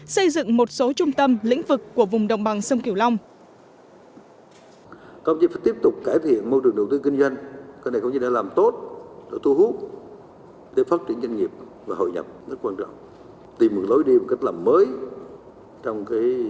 xây dựng một số trung tâm lĩnh vực của vùng đồng bằng sông kiều long